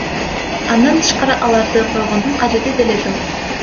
Андан тышкары аларды койгондун кажети деле жок.